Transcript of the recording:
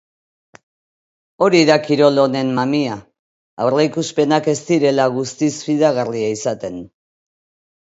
Hori da kirol honen mamia, aurreikuspenak ez direla guztiz fidagarria izaten.